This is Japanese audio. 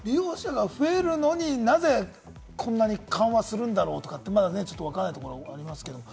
増えるのになぜ、こんなに緩和するんだろうとかって、まだわからないところがありますけれども。